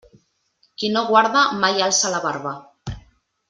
Qui no guarda, mai alça la barba.